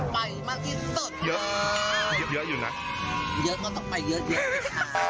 พระมหาเทวีเจ้ารอนาฮาคัยคนนี้มาเป็นเวลานานมาก